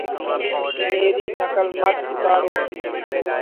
میری نقل مت اتاروـ